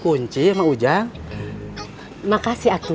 bu baw acts followers bakal jawab kok ya